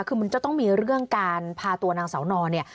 คือมันจะต้องมีเรื่องการพาตัวนางเสานอเนี่ย